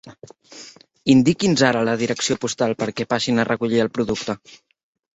Indiqui'ns ara la direcció postal perquè passin a recollir el producte.